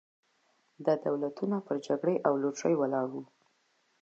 دا دولتونه پر جګړې او لوټرۍ ولاړ وو.